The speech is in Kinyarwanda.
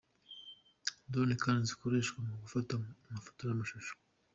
Drone kandi zikoreshwa mu gufata amafoto n’ amashusho.